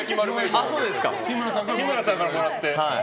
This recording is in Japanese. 日村さんからもらって。